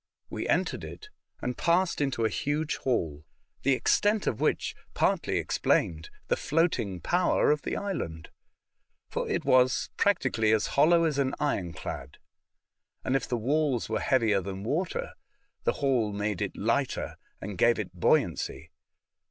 We entered it, and passed into a huge hall, the extent of which partly explained the floating power of the island, for it was practi cally as hollow as an ironclad, and if the walls were heavier than water, the hall made it lighter and gave it buoyancy.